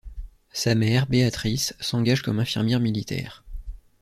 Sa mère, Beatrice, s'engage comme infirmière militaire.